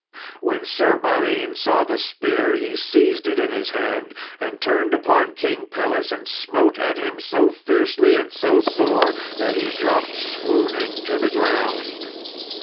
When Sir Balin saw the spear he seized it in his hand, and turned upon King Pelles, and smote at him so fiercely and so sore that he dropped swooning to the ground.